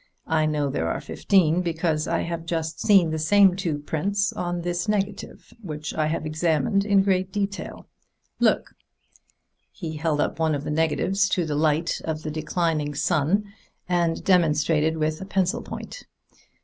I know there are fifteen, because I have just the same two prints on this negative, which I have examined in detail. Look !" he held one of the negatives up to the light of the declining sun and demonstrated with a pencil point.